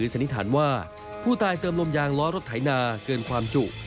สันนิษฐานว่าผู้ตายเติมลมยางล้อรถไถนาเกินความจุ